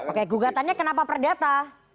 oke gugatannya kenapa perdata